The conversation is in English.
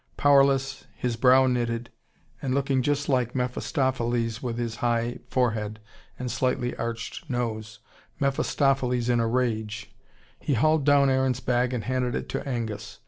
Powerless, his brow knitted, and looking just like Mephistopheles with his high forehead and slightly arched nose, Mephistopheles in a rage, he hauled down Aaron's bag and handed it to Angus.